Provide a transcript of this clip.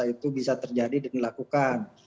itu bisa terjadi dan dilakukan